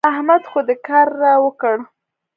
احمد خو دې کار را وکړ.